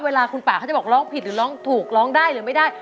เวลาคุณป่าเขาจะบอกร้องผิดหรือร้องถูกร้องได้หรือไม่ได้